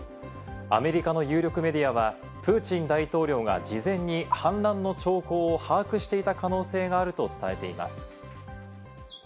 アメリカの有力メディアはプーチン大統領が事前に反乱の兆候を把握していた可能性があると伝えています。